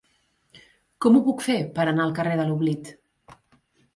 Com ho puc fer per anar al carrer de l'Oblit?